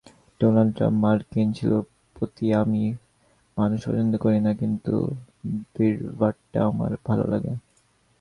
Donald Trump, মার্কিন শিল্পপতিআমি মানুষ পছন্দ করি না, কিন্তু ভিড়ভাট্টাআমার ভালো লাগে।